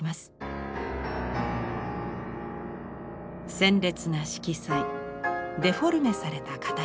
鮮烈な色彩デフォルメされた形。